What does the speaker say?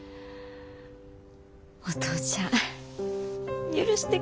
お父ちゃん許してくれるやろか。